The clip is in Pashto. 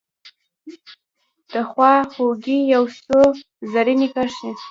دخوا خوګۍ یو څو رزیني کرښې